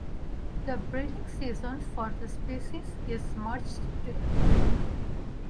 The breeding season for the species is March-April.